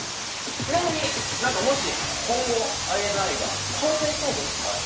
ちなみに何かもし今後ＩＮＩが挑戦したいことってある？